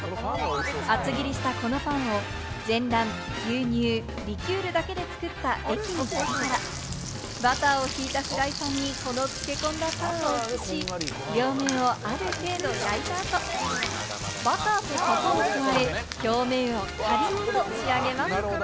厚切りしたこのパンを全卵、牛乳、リキュールだけで作った液につけながら、バターをひいたフライパンに漬け込んだパンの両面をある程度焼いた後、バターと砂糖を加え、表面をカリッと仕上げます。